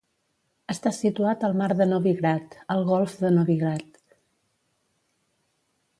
Està situat al Mar de Novigrad, al golf de Novigrad.